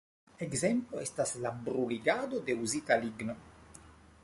Ekzemplo estas la bruligado de uzita ligno.